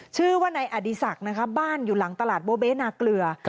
ชื่อว่านายอดีศักดิ์นะคะบ้านอยู่หลังตลาดโบเบนาเกลือ